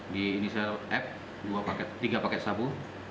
di inisial f tiga paket sabu